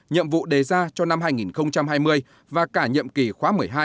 nhiệm vụ đề ra cho năm hai nghìn hai mươi và cả nhiệm kỳ khóa một mươi hai